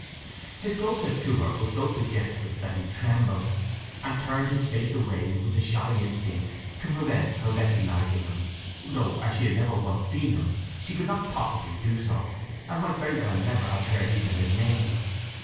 His closeness to her was so suggestive that he trembled, and turned his face away with a shy instinct to prevent her recognizing him, though as she had never once seen him she could not possibly do so; and might very well never have heard even his name.